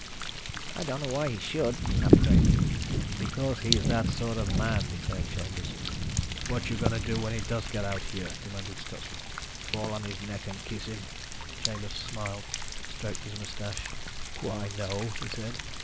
"I don't know why he should," snapped Craven. "Because he's that sort of man," declared Chambers. "What you going to do when he does get out here?" demanded Stutsman. "Fall on his neck and kiss him?" Chambers smiled, stroked his mustache. "Why, no," he said.